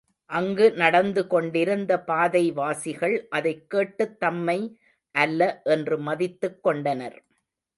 அங்கு நடந்து கொண்டிருந்த பாதைவாசிகள் அதைக் கேட்டுத் தம்மை அல்ல என்று மதித்துக் கொண்டனர்.